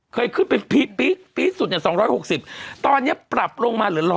เคยขึ้นเป็นปีสุดอย่าง๒๖๐ตอนนี้ปรับลงมาเหลือ๑๙๐